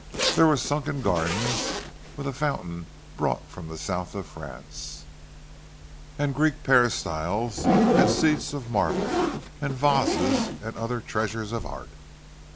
There were sunken gardens, with a fountain brought from the South of France, and Greek peristyles, and seats of marble, and vases and other treasures of art.